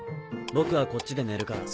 僕はこっちで寝るから。